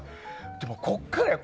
でも、ここからよ。